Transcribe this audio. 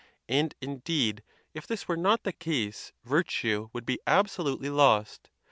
And, indeed, if this were not the case, virtue would be absolutely lost.